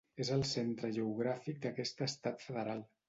És el centre geogràfic d'aquest estat federal.